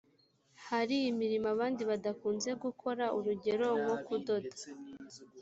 hari imirimo abandi badakunze gukora urugero nko kudoda